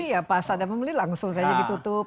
iya pas ada pembeli langsung saja ditutup